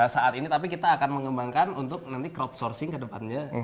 saat ini tapi kita akan mengembangkan untuk nanti crowd sourcing ke depannya